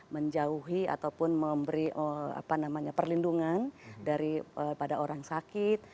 menjauhi ataupun memberi perlindungan daripada orang sakit